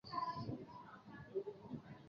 台湾光姬蝽为姬蝽科光姬蝽属下的一个种。